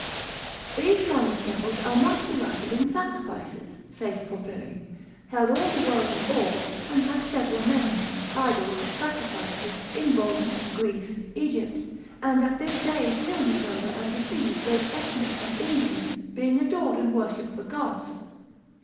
These kind of devils are much delighted in sacrifices (saith Porphyry), held all the world in awe, and had several names, idols, sacrifices, in Rome, Greece, Egypt, and at this day tyrannise over, and deceive those Ethnics and Indians, being adored and worshipped for gods.